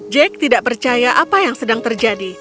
jack tidak percaya apa yang sedang terjadi